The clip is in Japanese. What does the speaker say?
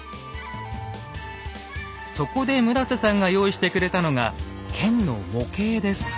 そこで村さんが用意してくれたのが剣の模型です。